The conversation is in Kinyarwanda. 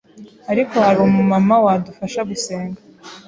“ariko hari umumama wadufasha gusenga”